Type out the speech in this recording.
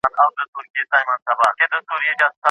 د علم په برخه کې د نوښت لپاره هڅه اړینه ده.